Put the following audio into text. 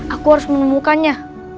aku harus menemukannya